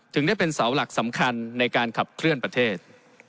ได้เป็นเสาหลักสำคัญในการขับเคลื่อนประเทศ